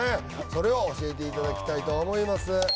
それを教えていただきたいと思います